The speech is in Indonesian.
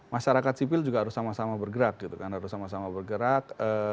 masyarakat sipil juga harus sama sama bergerak gitu kan harus sama sama bergerak